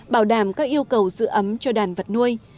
bảo đảm các yêu cầu giữ ấm cho đàn vật nuôi